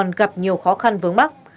là một khó khăn vướng bắc